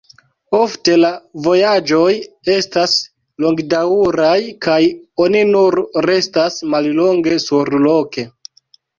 Ofte la vojaĝoj estas longdaŭraj kaj oni nur restas mallonge surloke.